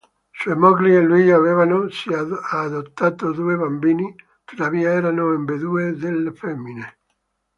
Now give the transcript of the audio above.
Sua moglie e lui avevano, sì, adottato due bambini, tuttavia erano ambedue delle femmine.